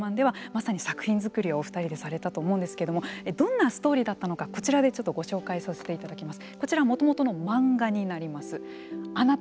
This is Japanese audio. その藤子さんが監督をされました実写版の「笑ゥせぇるすまん」ではまさに作品作りをお二人でされてたと思うんですけれどもどんなストーリーだったのかこちらでご紹介させていただきます。